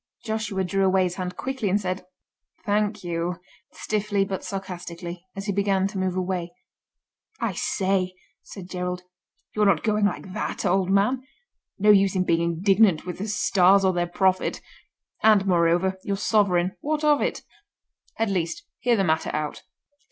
Joshua drew away his hand quickly, and said, "Thank you!" stiffly but sarcastically, as he began to move away. "I say!" said Gerald, "you're not going like that, old man; no use in being indignant with the Stars or their prophet—and, moreover, your sovereign—what of it? At least, hear the matter out."